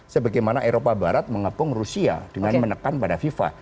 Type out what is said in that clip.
sebagaimana eropa barat mengepung rusia dengan menekan pada fifa